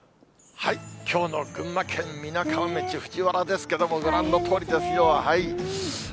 きょうの群馬県みなかみ町藤原ですけども、ご覧のとおりですよ。